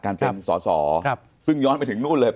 การเป็นสอสอซึ่งย้อนไปถึงนู่นเลย